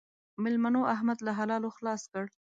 مېلمنو؛ احمد له حلالو خلاص کړ.